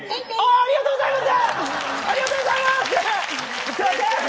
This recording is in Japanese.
ありがとうございます！